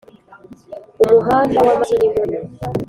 umuhanda w'amaraso nimunini